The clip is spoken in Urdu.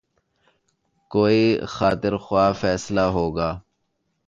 کوئی خاطر خواہ فیصلہ ہو گا۔